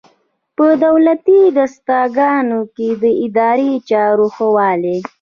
په دولتي دستګاه کې د اداري چارو ښه والی.